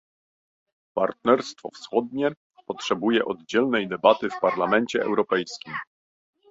Partnerstwo wschodnie potrzebuje oddzielnej debaty w Parlamencie Europejskim